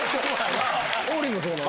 王林もそうなの？